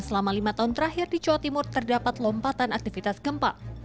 selama lima tahun terakhir di jawa timur terdapat lompatan aktivitas gempa